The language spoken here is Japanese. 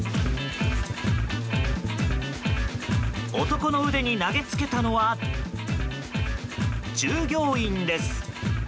男の腕に投げつけたのは従業員です。